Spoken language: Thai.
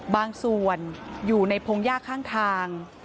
บางส่วนอยู่ในพงหญ้าข้างทาง